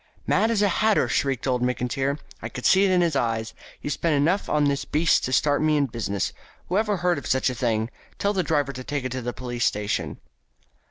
"Mad as a hatter!" shrieked old Mr. McIntyre. "I could see it in his eye. He spent enough on this beast to start me in business. Whoever heard of such a thing? Tell the driver to take it to the police station."